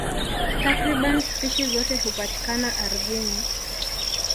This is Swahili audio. Takriban spishi zote hupatikana ardhini.